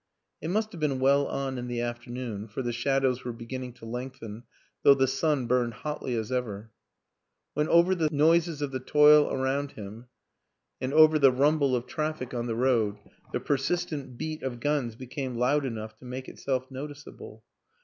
It must have been well on in the afternoon for the shadows were beginning to lengthen though the sun burned hotly as ever when over the noises of the toil around him and over the 124 WILLIAM AN ENGLISHMAN rumble of traffic on the road the persistent beat of guns became loud enough to make itself notice able.